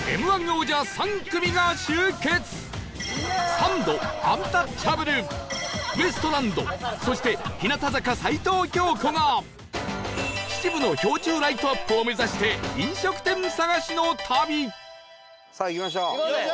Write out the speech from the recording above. サンドアンタッチャブルウエストランドそして日向坂齊藤京子が秩父の氷柱ライトアップを目指して飲食店探しの旅さあ行きましょう！